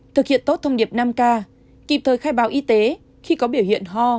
thực hiện tốt thông điệp năm k kịp thời khai báo y tế khi có biểu hiện ho